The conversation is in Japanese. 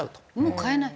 もう買えない？